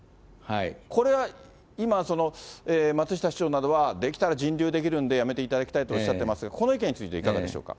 これは今、松下市長などは、できたら人流出来るんでやめていただきたいとおっしゃってますが、この意見について、いかがでしょうか。